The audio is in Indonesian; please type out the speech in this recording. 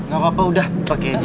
gak apa apa udah pakenya